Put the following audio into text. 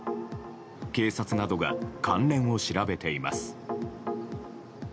警察などが関連を調べています。